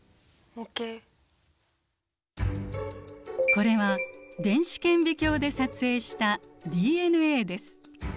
これは電子顕微鏡で撮影したＤＮＡです。